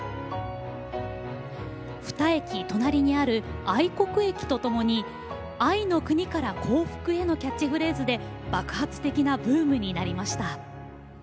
２駅隣にある愛国駅とともに「愛の国から幸福へ」のキャッチフレーズで爆発的なブームになりました。